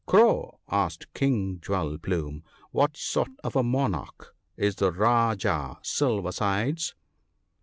* Crow !' asked King Jewel plume, ' what sort of a Monarch is the Rajah Silver sides